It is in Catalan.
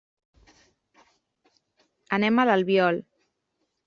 Anem a l'Albiol.